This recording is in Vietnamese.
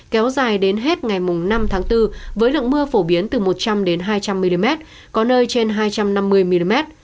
kéo dài đến hết ngày mùng năm tháng bốn với lượng mưa phổ biến từ một trăm linh hai trăm linh mm